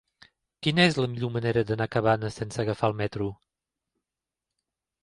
Quina és la millor manera d'anar a Cabanes sense agafar el metro?